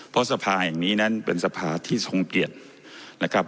เพราะสภาแห่งนี้นั้นเป็นสภาที่ทรงเกียรตินะครับ